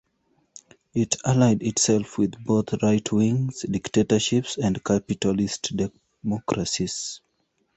It allied itself with both right-wing dictatorships and capitalist democracies.